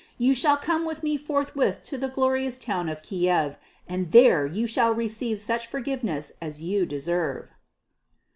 You shall come with me forthwith to the glorious town of Kiev, and there you shall receive such forgiveness as you deserve."